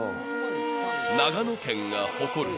［長野県が誇る］